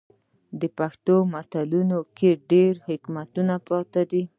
د پښتنو په متلونو کې ډیر حکمت پروت دی.